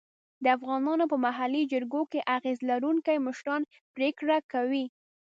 د افغانانو په محلي جرګو کې اغېز لرونکي مشران پرېکړه کوي.